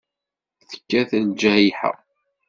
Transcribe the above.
Tekkat lǧayḥa.